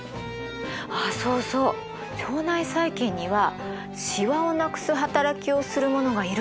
あっそうそう腸内細菌にはシワをなくす働きをするものがいるらしいんですよ。